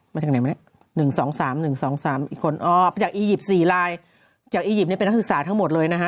มาจากไหนมาเนี่ย๑๒๓๑๒๓อีกคนออกไปจากอียิปต์๔ลายจากอียิปต์เนี่ยเป็นนักศึกษาทั้งหมดเลยนะฮะ